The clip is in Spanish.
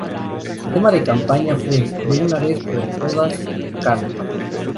Su lema de campaña fue "De una vez por todas, cambio".